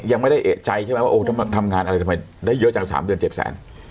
ยังไม่ได้เอกใจใช่ไหมว่าทำงานอะไรทำไมได้เยอะจัง๓เดือน๗แสน